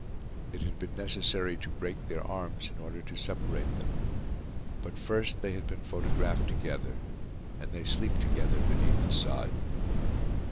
It had been necessary to break their arms in order to separate them. But, first, they had been photographed together; and they sleep together beneath the sod.